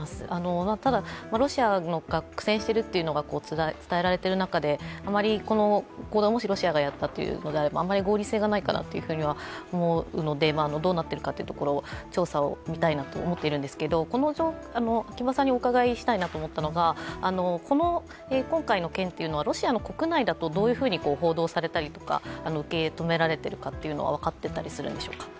ただ、ロシアが苦戦しているというのが伝えられている中で、これをもしロシアがやったとすればあんまり合理性がないかなと思うのでどうなっているのか調査を見たいなと思っているんですが、秋葉さんにお伺いしたいのが今回の件は、ロシアの国内だとどういうふうに報道されたり、受け止められているか分かっていたりするんでしょうか。